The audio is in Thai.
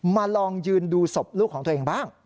มาลองยืนดูศพลูกของตัวเองบ้าง